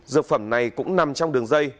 dược phẩm này cũng nằm trong đường dây